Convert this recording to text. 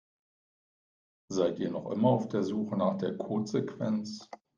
Seid ihr noch immer auf der Suche nach der Codesequenz?